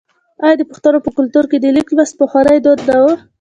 آیا د پښتنو په کلتور کې د لیک لوستل پخوانی دود نه و؟